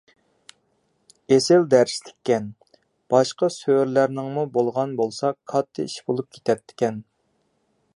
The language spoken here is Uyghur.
ئېسىل دەرسلىككەن. باشقا سۈرىلەرنىڭمۇ بولغان بولسا كاتتا ئىش بولۇپ كېتەتتىكەن!